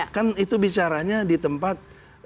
kan itu bicaranya di tempat